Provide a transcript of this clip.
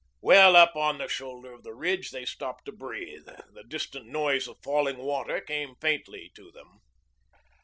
Well up on the shoulder of the ridge they stopped to breathe. The distant noise of falling water came faintly to them.